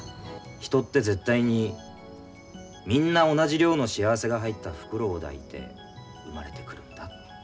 人って絶対にみんな同じ量の幸せが入った袋を抱いて生まれてくるんだって。